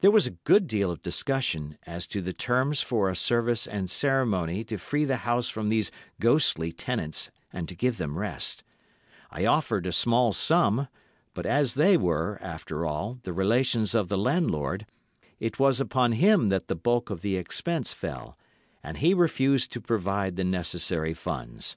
There was a good deal of discussion as to the terms for a service and ceremony to free the house from these ghostly tenants and to give them rest, I offered a small sum, but as they were, after all, the relations of the landlord, it was upon him that the bulk of the expense fell, and he refused to provide the necessary funds.